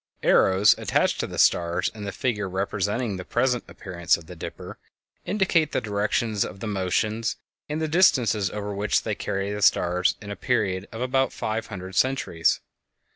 Arrows attached to the stars in the figure representing the present appearance of the "Dipper" indicate the directions of the motions and the distances over which they will carry the stars in a period of about five hundred centuries.